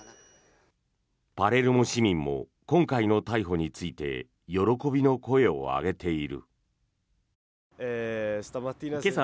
パレルモ市民も今回の逮捕について喜びの声を上げている。